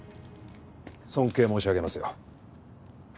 尊敬申し上げますよ。